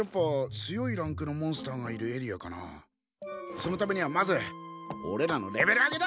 そのためにはまずおれらのレベル上げだ！